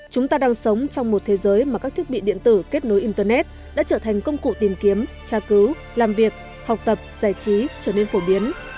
chúng ta đang sống trong một thế giới mà các thiết bị điện tử kết nối internet đã trở thành công cụ tìm kiếm tra cứu làm việc học tập giải trí trở nên phổ biến